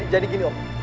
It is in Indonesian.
jadi gini om